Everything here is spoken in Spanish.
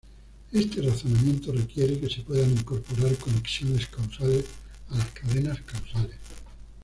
Este razonamiento requiere que se puedan incorporar conexiones causales a las cadenas causales.